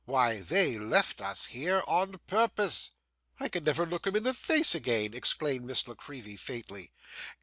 Why they left us here on purpose.' 'I can never look 'em in the face again!' exclaimed Miss La Creevy, faintly.